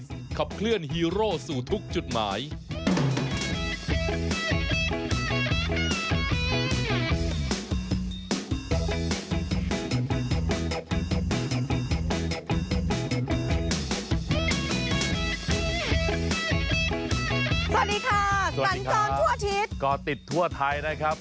สวัสดีค่ะส่วนจมทั่วอาทิตย์ติดทั่วไทยนะครับ